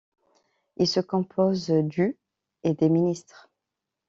Il se compose du et des ministres.